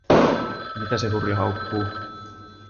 Mitä se Hurja haukkuu?